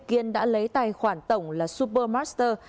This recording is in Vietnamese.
kiên đã lấy tài khoản tổng là supermaster